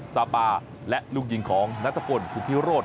ซาปาและลูกยิงของนัทพลสุธิโรธ